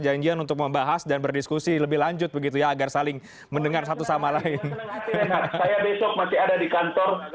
janjian untuk membahas dan berdiskusi lebih lanjut begitu ya agar saling mendengar satu sama lain